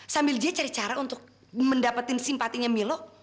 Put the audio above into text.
sambil dia cari cara untuk mendapatkan simpatinya milo